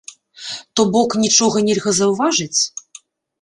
То бок, нічога нельга заўважыць?